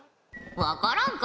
分からんか？